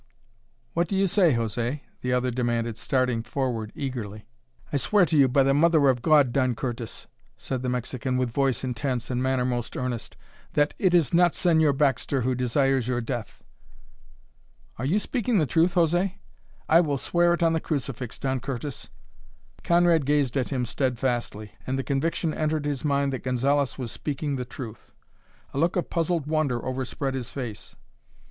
"What do you say, José?" the other demanded, starting forward eagerly. "I swear to you by the Mother of God, Don Curtis," said the Mexican, with voice intense and manner most earnest, "that it is not Señor Baxter who desires your death." "Are you speaking the truth, José?" "I will swear it on the crucifix, Don Curtis!" Conrad gazed at him steadfastly, and the conviction entered his mind that Gonzalez was speaking the truth. A look of puzzled wonder overspread his face.